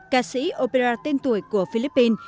ca sĩ opera tên tuổi của philippines